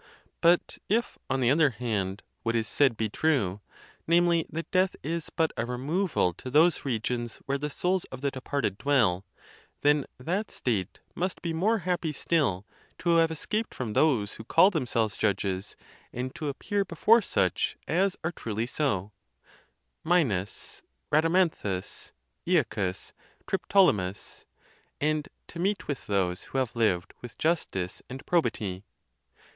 But if, on the other hand, what is said be true, namely, that death is but a removal to those regions where the souls of the departed dwell, then that state must be more happy still to have escaped from those who call themselves judges, and to appear before such as are truly so—Minos, Rhadamanthus, Alacus, Triptolemus—and to meet with those who have lived with justice and probity!